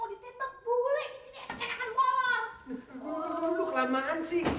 lu kelamaan sih